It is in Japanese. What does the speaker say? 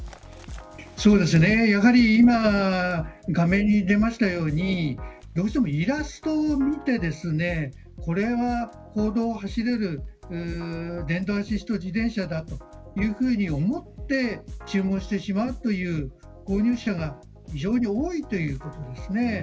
そうですね、やはり今画面に出ましたようにどうしてもイラストを見てこれは公道を走れる電動アシスト自転車だというふうに思って注文してしまうという購入者が非常に多いということですよね。